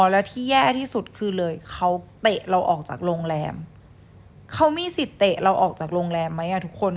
แล้วที่แย่ที่สุดคือเลยเขาเตะเราออกจากโรงแรมเขามีสิทธิ์เตะเราออกจากโรงแรมไหมอ่ะทุกคน